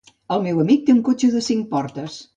El meu amic té un cotxe de cinc portes.